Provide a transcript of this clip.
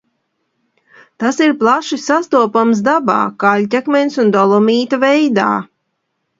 Tas ir plaši sastopams dabā, kaļķakmens un dolomīta veidā.